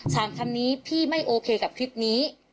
คำนี้พี่ไม่โอเคกับคลิปนี้